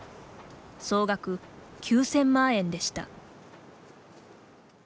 総額９０００万円でした。